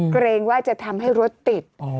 เกรงว่าจะทำให้รถติด